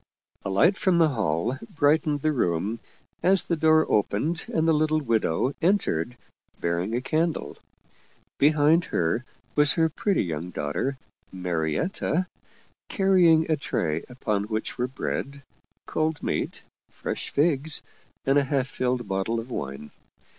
A light from the hall bright ened the room as the door opened and the little widow en tered, bearing a candle. Behind her was her pretty young daughter, Marietta, carrying a tray upon which were bread, cold meat, fresh figs, and a half filled bottle of wine.